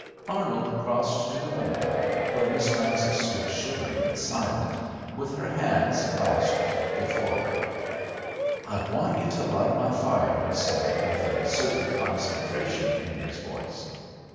Arnold crossed to the window, where Miss Frances stood shivering and silent, with her hands clasped before her. "I want you to light my fire," he said, with a certain concentration in his voice.